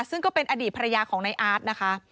ซึ่งก็เป็นอดีตภรรยาของในอาร์ตนะคะ